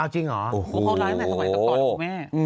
จริงเหรอโอ้โฮเพราะเขาร้ายใหม่สมัยกลับตอนของแม่